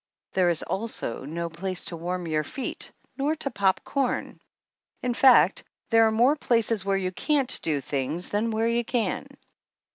There is also no place to warm your feet, nor to pop corn. In fact, there are more places where you can't do things than where you can.